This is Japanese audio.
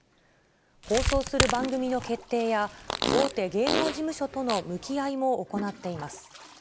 放送する番組の決定や、大手芸能事務所との向き合いも行っています。